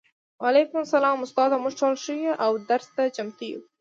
وعلیکم السلام استاده موږ ټول ښه یو او درس ته چمتو یو